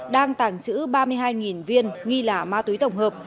đang tàng trữ ba mươi hai viên nghi là ma túy tổng hợp